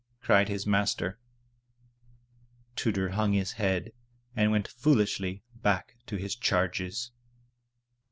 cried his master. Tudur hung his head and went foolishly back to his charges.